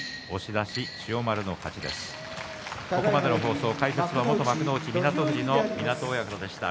ここまでの放送、解説は元幕内湊富士の湊親方でした。